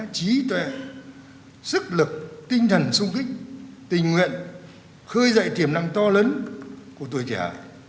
kỹ tuệ sức lực tinh thần xung kích tình nguyện khơi dậy tiềm năng to lớn của tuổi trẻ